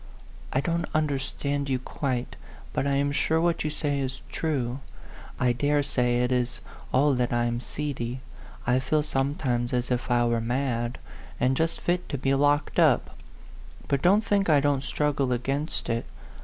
"I don't understand you quite, but I am sure what you say is true. I dare say it is all that I'm seedy. I feel sometimes as if I were mad, and just fit to be locked up. But don't think I don't struggle against it.